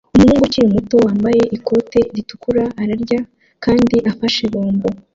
Umuhungu ukiri muto wambaye ikote ritukura ararya kandi afashe bombo